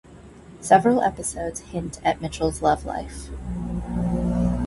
Several episodes hint at Mitchell's love life.